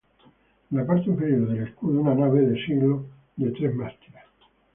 En la parte inferior del escudo, una nave del siglo de tres mástiles.